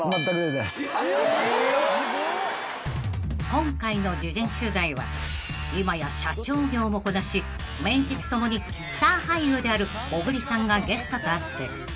［今回の事前取材は今や社長業もこなし名実共にスター俳優である小栗さんがゲストとあって］